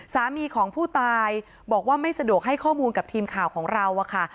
สามีของผู้ตายบอกว่าไม่สะดวกให้ข้อมูลกับทีมข่าวของเราอะค่ะ